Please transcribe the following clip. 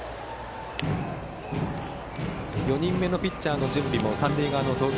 ４人目のピッチャーの準備も三塁側の投球